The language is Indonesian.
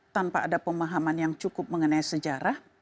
tanpa ada pemahaman yang cukup mengenai sejarah